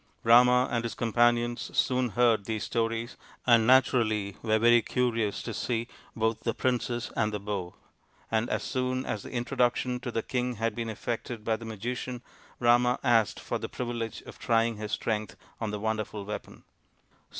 Rama and 16 THE INDIAN STORY BOOK his companions soon heard these stories and naturally were very curious to see both the princess and the bow ; and as soon as the introduction to the king had been effected by the magician, Rama asked for the privilege of trying his strength on the wonderful weapon.